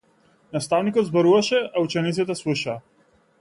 Наставникот зборуваше а учениците слушаа.